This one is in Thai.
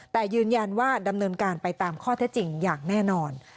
แต่ยืนยันว่าดำเนินการไปตามข้อเท็จจริงอย่างแน่นอน